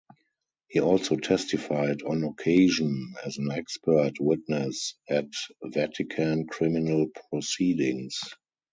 He also testified on occasion as an expert witness at Vatican criminal proceedings.